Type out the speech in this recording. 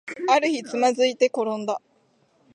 ある日、つまずいてころんだ